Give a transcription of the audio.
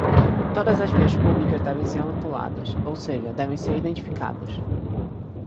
Todas as vias públicas devem ser rotuladas, ou seja, devem ser identificadas.